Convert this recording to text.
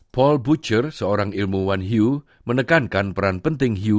paul bucher seorang ilmuwan hiu menekankan peran penting hiu